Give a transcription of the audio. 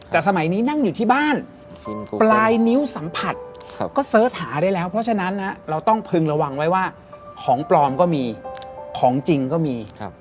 แต่สมัยนี้นั่งอยู่ที่บ้านปลายนิ้วสัมผัสก็เสิร์ชหาได้แล้วเพราะฉะนั้นเราต้องพึงระวังไว้ว่าของปลอมก็มีของจริงก็มี